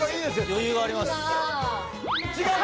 余裕があります違う！